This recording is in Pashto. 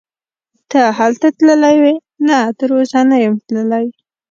ته هلته تللی وې؟ نه تراوسه نه یم تللی.